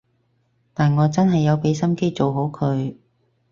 但我真係有畀心機做好佢